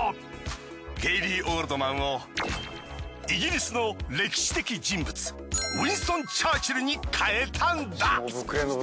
ゲイリー・オールドマンをイギリスの歴史的人物ウィンストン・チャーチルに変えたんだ。